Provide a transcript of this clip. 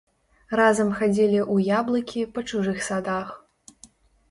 Разам хадзілі ў яблыкі па чужых садах.